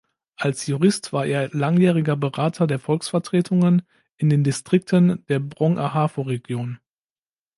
Als Jurist war er langjähriger Berater der Volksvertretungen in den Distrikten der Brong-Ahafo Region.